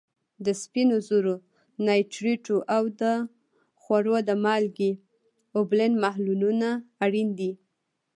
د سپینو زرو نایټریټو او د خوړو د مالګې اوبلن محلولونه اړین دي.